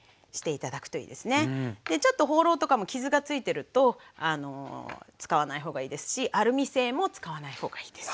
ちょっとホウロウとかも傷がついてると使わないほうがいいですしアルミ製も使わないほうがいいです。